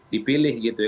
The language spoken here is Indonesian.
dipilih gitu ya